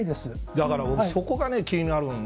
だから僕そこが気になるんです。